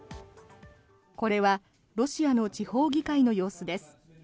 これはロシアの地方議会の様子です。